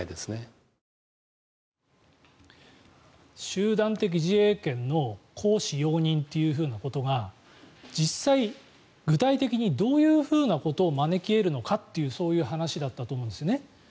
集団的自衛権の行使容認ということが実際、具体的にどういうふうなことを招き得るのかというそういう話だったと思うんですね。